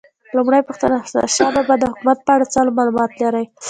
لومړۍ پوښتنه: د احمدشاه بابا د حکومت په اړه څه معلومات لرئ؟